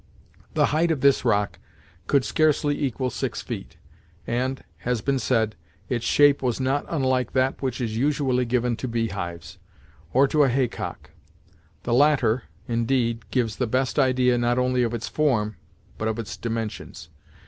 The height of this rock could scarcely equal six feet, and, as has been said, its shape was not unlike that which is usually given to beehives, or to a hay cock. The latter, indeed, gives the best idea not only of its form, but of its dimensions.